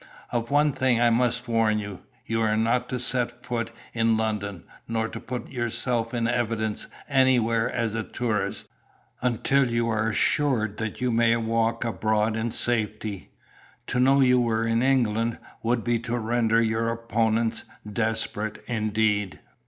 Of one thing I must warn you; you are not to set foot in London, nor to put yourself in evidence anywhere as a tourist, until you are assured that you may walk abroad in safety. To know you were in England would be to render your opponents desperate, indeed."